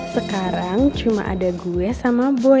sekarang cuma ada gue sama boy